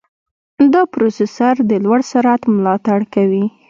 دا پروسېسر د لوړ سرعت ملاتړ کوي.